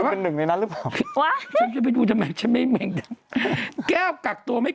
เรื่องอะไรบาย๗แมงดานั่นไง